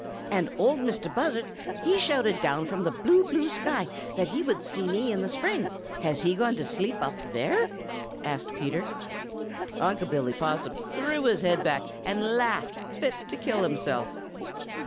"And Ol' Mistah Buzzard he shouted down from the blue, blue sky that he would see me in the spring; has he gone to sleep up there?" asked Peter. Unc' Billy Possum threw back his head and laughed fit to kill himself.